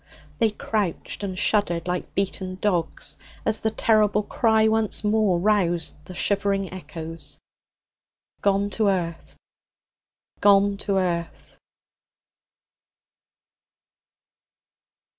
They crouched and shuddered like beaten dogs as the terrible cry once more roused the shivering echoes: 'Gone to earth! Gone to earth!'